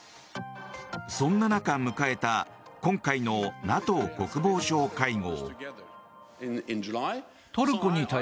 そんな中、迎えた今回のＮＡＴＯ国防相会合。